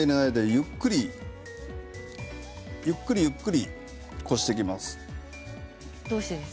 ゆっくりゆっくりこしていきます。